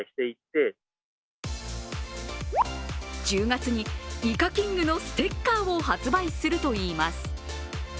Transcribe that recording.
１０月にイカキングのステッカーを発売するといいます。